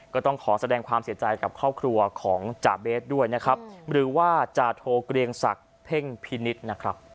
ก็ต้องขอแสดงความเสียใจกับครอบครัวของจาเบสด้วยนะครับหรือว่าจาโทเกรียงศักดิ์เพ่งพินิษฐ์นะครับ